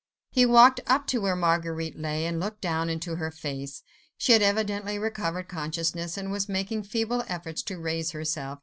He walked up to where Marguerite lay, and looked down into her face. She had evidently recovered consciousness, and was making feeble efforts to raise herself.